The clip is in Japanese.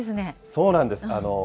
そうなんです。